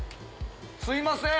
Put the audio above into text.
すいません。